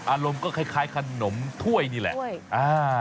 อารมณ์ก็คล้ายขนมถ้วยนี่แหละ